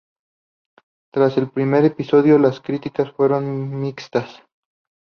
Tras el primer episodio, las críticas fueron mixtas.